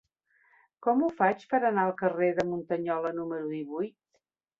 Com ho faig per anar al carrer de Muntanyola número divuit?